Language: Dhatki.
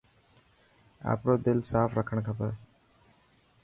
آپرو دل ساف رکڻ کپي.